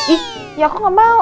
ih ya aku gak mau